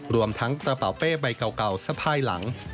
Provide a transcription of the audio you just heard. รวมทั้งกระเป๋าเป้ใบเก่าสะพายหลัง